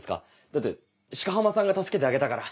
だって鹿浜さんが助けてあげたから。